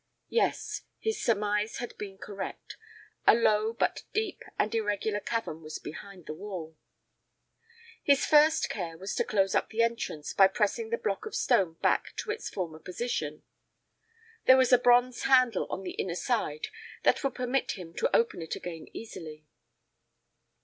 Yes; his surmise had been correct a low, but deep and irregular cavern was behind the wall. His first care was to close up the entrance by pressing the block of stone back to its former position. There was a bronze handle on the inner side that would permit him to open it again easily.